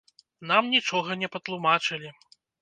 Нам нічога не патлумачылі.